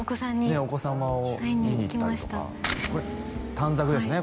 えお子様を見に行ったりとかこれ短冊ですね